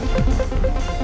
bagaimana kecebur lagi